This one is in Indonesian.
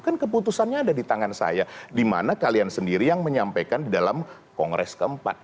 kan keputusannya ada di tangan saya di mana kalian sendiri yang menyampaikan di dalam kongres keempat